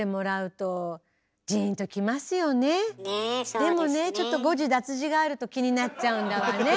でもねちょっと誤字脱字があると気になっちゃうんだわね。